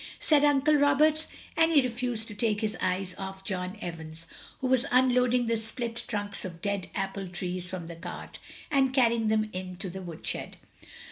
said Uncle Roberts; and he refused to take his eyes off John Evans, who was unloading the split trunks t)f dead apple trees from the cart, and carrying them in to the woodshed.